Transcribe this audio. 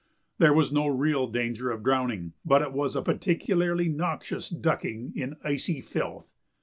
There was no real danger of drowning, but it was a particularly noxious ducking in icy filth.